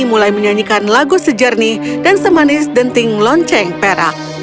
mulai menyanyikan lagu sejernih dan semanis denting lonceng perak